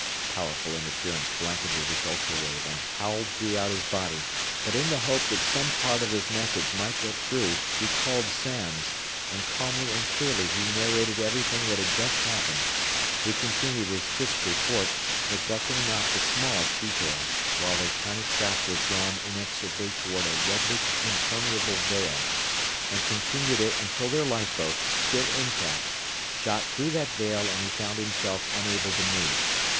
Powerful interference blanketed his ultra wave and howled throughout his body; but in the hope that some part of his message might get through he called Samms, and calmly and clearly he narrated everything that had just happened. He continued his crisp report, neglecting not the smallest detail, while their tiny craft was drawn inexorably toward a redly impermeable veil; continued it until their lifeboat, still intact, shot through that veil and he found himself unable to move.